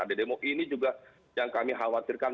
ada demo ini juga yang kami khawatirkan